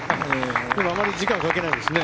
でも、余り時間かけないですね。